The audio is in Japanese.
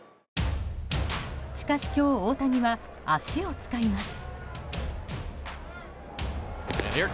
しかし今日、大谷は足を使います。